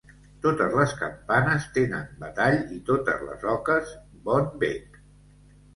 Totes les campanes tenen batall i totes les oques bon bec.